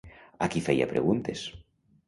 A qui feia preguntes?